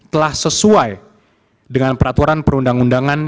telah sesuai dengan peraturan perundang undangan